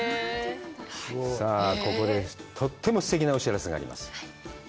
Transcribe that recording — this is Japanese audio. さあ、ここで、とってもすてきなお知らせがあります。